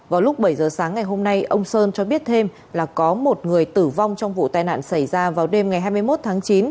vào lúc bảy giờ sáng ngày hôm nay ông sơn cho biết thêm là có một người tử vong trong vụ tai nạn xảy ra vào đêm ngày hai mươi một tháng chín